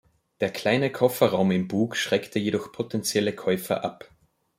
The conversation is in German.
Der kleine Kofferraum im Bug schreckte jedoch potentielle Käufer ab.